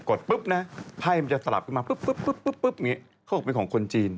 กดปุ๊บนะไผ้มันจะสลับขึ้นมาเข้าออกเป็นของคนจีน